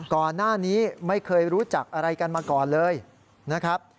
ก่อนหน้านี้ไม่เคยรู้จักอะไรกันมาก่อนเลยนะครับ